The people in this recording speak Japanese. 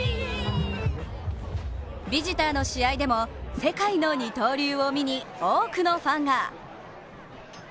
ビジターの試合でも世界の二刀流を見に多くのファンが。